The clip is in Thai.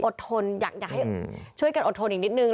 ทนอยากให้ช่วยกันอดทนอีกนิดนึง